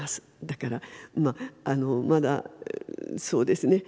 だからまだそうですね